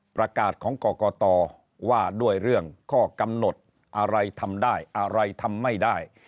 ประกาศของกรกตว่าด้วยเรื่องข้อกำหนดอะไรทำได้อะไรทำไม่ได้